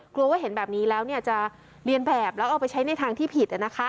กลัวว่าเห็นแบบนี้แล้วจะเรียนแบบแล้วเอาไปใช้ในทางที่ผิด